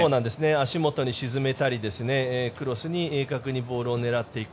足元に沈めたりクロスに鋭角にボールを狙っていく。